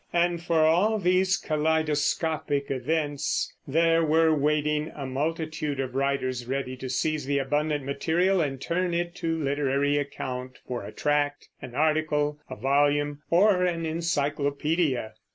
And for all these kaleidoscopic events there were waiting a multitude of writers, ready to seize the abundant material and turn it to literary account for a tract, an article, a volume, or an encyclopedia.